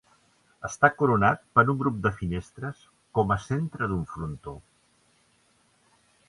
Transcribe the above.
Està coronat per un grup de finestres com a centre d'un frontó.